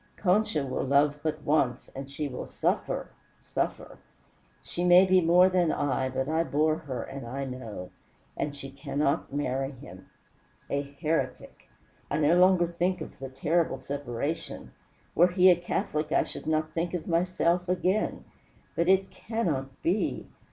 Concha will love but once, and she will suffer suffer She may be more than I, but I bore her and I know. And she cannot marry him. A heretic! I no longer think of the terrible separation. Were he a Catholic I should not think of myself again. But it cannot be.